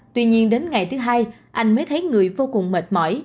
tuy nhiên đến ngày thứ hai anh mới thấy người vô cùng mệt mỏi